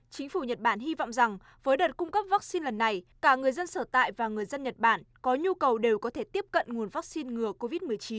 chính phủ nhật bản hy vọng rằng với đợt cung cấp vaccine lần này cả người dân sở tại và người dân nhật bản có nhu cầu đều có thể tiếp cận nguồn vaccine ngừa covid một mươi chín